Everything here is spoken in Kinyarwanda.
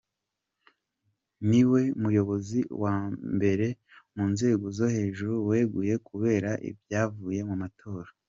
Niwe muyobozi wa mbere mu nzego zo hejuru weguye kubera ibyavuye mu matora.